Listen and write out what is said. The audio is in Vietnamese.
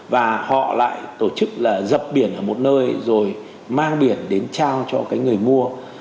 và họ lại tổ chức là dập biển ở một nơi rồi mang biển đến trao cho cái người mua